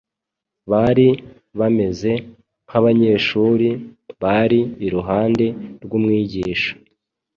Bari bameze nk’abanyeshuri bari iruhande rw’Umwigisha